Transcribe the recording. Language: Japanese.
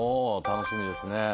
楽しみですね。